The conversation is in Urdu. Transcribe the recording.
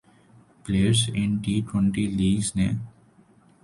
players in T twenty leagues نے